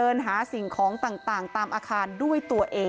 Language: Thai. มีแต่เสียงตุ๊กแก่กลางคืนไม่กล้าเข้าห้องน้ำด้วยซ้ำ